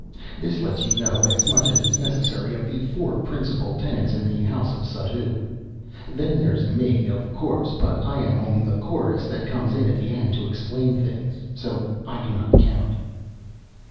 This lets you know as much as is necessary of the four principal tenants in the house of Suddhoo. Then there is Me, of course; but I am only the chorus that comes in at the end to explain things. So I do not count.